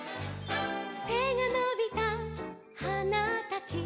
「せがのびたはなたち」